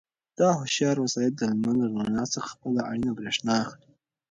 دا هوښیار وسایل د لمر له رڼا څخه خپله اړینه برېښنا اخلي.